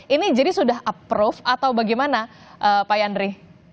ini jadi sudah approve atau bagaimana pak yandri